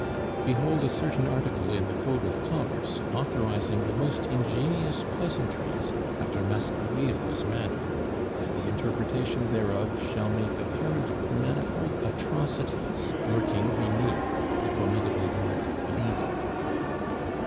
Behold a certain article in the Code of commerce authorizing the most ingenious pleasantries after Mascarille's manner, and the interpretation thereof shall make apparent manifold atrocities lurking beneath the formidable word "legal."